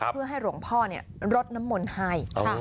เพื่อให้หลวงพ่อรดน้ำมนต์ให้